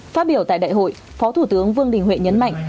phát biểu tại đại hội phó thủ tướng vương đình huệ nhấn mạnh